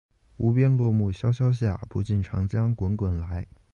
无边落木萧萧下，不尽长江滚滚来